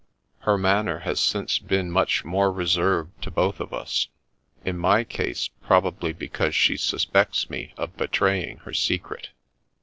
Her manner has since been much more reserved to both of us : in my case, probably because she suspects me of betraying her secret.'